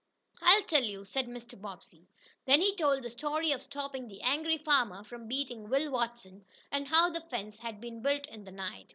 "I'll tell you," said Mr. Bobbsey. Then he told the story of stopping the angry farmer from beating Will Watson, and how the fence had been built in the night.